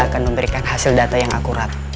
akan memberikan hasil data yang akurat